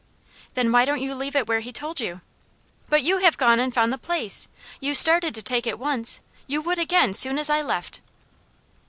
"Then why don't you leave it where he told you?" "But you have gone and found the place. You started to take it once; you would again, soon as I left."